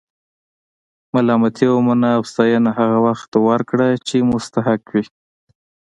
ملامتي ومنه او ستاینه هغه وخت ورکړه چې مستحق وي.